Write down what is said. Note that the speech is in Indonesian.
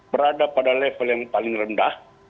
berada pada level yang paling rendah